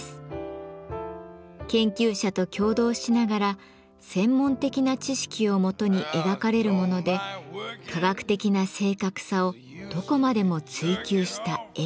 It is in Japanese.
研究者と協働しながら専門的な知識をもとに描かれるもので科学的な正確さをどこまでも追求した絵です。